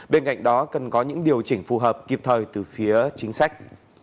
bên cạnh đó cần có những điều chỉnh phù hợp kịp thời từ phía chính sách